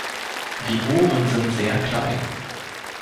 Die Ohren sind sehr klein.